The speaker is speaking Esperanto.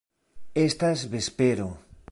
Estas vespero.